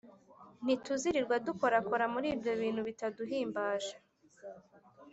ntituzirirwa dukorakora muri ibyo bintu bitaduhimbaje